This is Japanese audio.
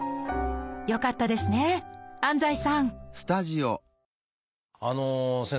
よかったですね安西さんあの先生